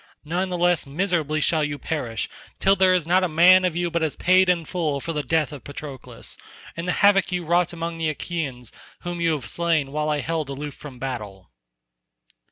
None the less miserably shall you perish till there is not a man of you but has paid in full for the death of Patroclus and the havoc you wrought among the Achaeans whom you have slain while I held aloof from battle."